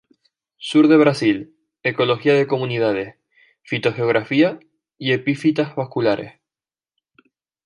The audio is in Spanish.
Sur de Brasil, Ecología de Comunidades, fitogeografía y epífitas vasculares.